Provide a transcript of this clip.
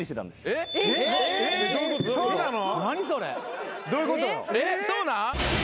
えっそうなん？